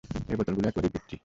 এই বোতলগুলো একেবারেই পিচ্চি।